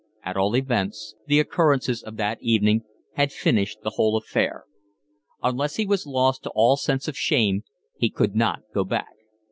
At all events the occurrences of that evening had finished the whole affair. Unless he was lost to all sense of shame he could not go back.